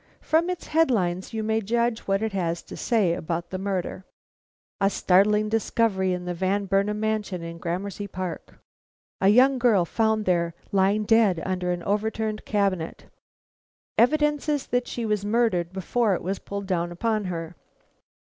From its headlines you may judge what it had to say about this murder: A STARTLING DISCOVERY IN THE VAN BURNAM MANSION IN GRAMERCY PARK. A YOUNG GIRL FOUND THERE, LYING DEAD UNDER AN OVERTURNED CABINET. EVIDENCES THAT SHE WAS MURDERED BEFORE IT WAS PULLED DOWN UPON HER.